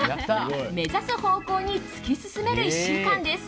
目指す方向に突き進める１週間です。